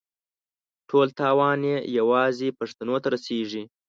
ټول تاوان یې یوازې پښتنو ته رسېږي.